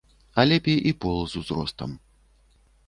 А лепей і пол з узростам.